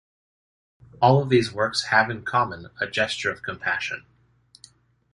All of these works have in common a gesture of compassion.